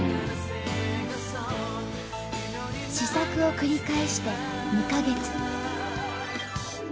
試作を繰り返して２か月。